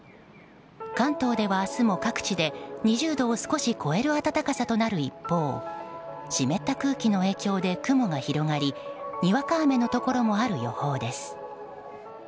関東では明日も各地で２０度を少し超える暖かさとなる一方湿った空気の影響で雲が広がりにわか雨のところもある予報です。